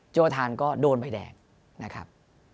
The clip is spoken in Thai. โอทานก็โดนใบแดงนะครับ